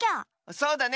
そうだね。